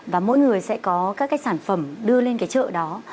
và mỗi người sẽ có các cái sản phẩm đưa lên cái chợ đó